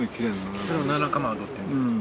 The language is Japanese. それをナナカマドっていうんですか？